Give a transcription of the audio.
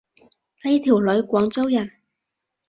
呢條女廣州人